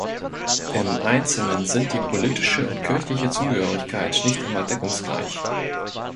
Im Einzelnen sind die politische und kirchliche Zugehörigkeit nicht immer deckungsgleich.